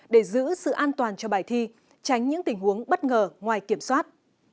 để giữ sự an toàn cho bài thi tránh những tình huống bất ngờ ngoài kiểm soát